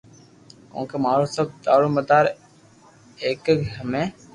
ڪونڪہ مارو سب دارو مدار اڪگ ھھي